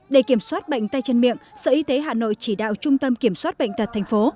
để kiểm soát bệnh tay chân miệng sở y tế hà nội chỉ đạo trung tâm kiểm soát bệnh tật thành phố